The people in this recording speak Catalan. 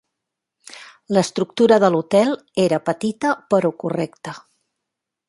L'estructura de l'hotel era petita, però correcta.